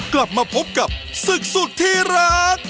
กลับมาพบกับศึกสุดที่รัก